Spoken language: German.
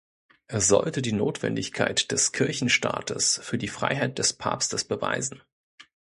Er sollte die Notwendigkeit des Kirchenstaates für die Freiheit des Papstes beweisen.